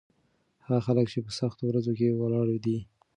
هغه خلک چې په سختو ورځو کې ولاړ دي.